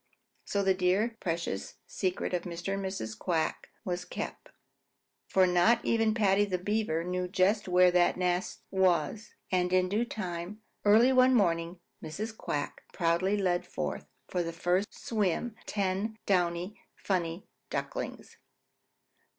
So the dear, precious secret of Mr. and Mrs. Quack was kept, for not even Paddy the Beaver knew just where that nest was, and in due time, early one morning, Mrs. Quack proudly led forth for their first swim ten downy, funny ducklings.